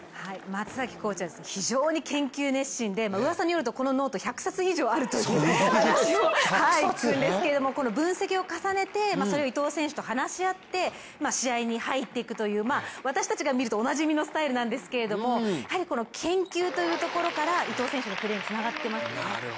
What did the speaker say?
松崎コーチは非常に研究熱心でうわさによるとこのノート１００冊以上あると聞くんですけれどこの分析を重ねてそれを伊藤選手と話し合って試合に入っていくという、私たちが見るとおなじみのスタイルなんですけれどもやはり研究というところから伊藤選手のプレーにつながってます。